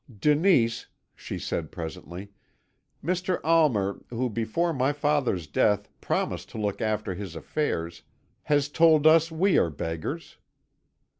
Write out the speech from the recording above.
"Denise,' she said presently, 'Mr. Almer, who, before my father's death, promised to look after his affairs, has told us we are beggars.'